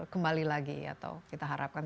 kembali lagi atau kita harapkan